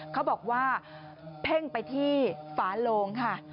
เขาบอกว่าเพ่งไปที่ฝาโลงค่ะ